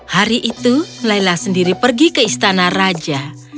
hari itu layla sendiri pergi ke istana raja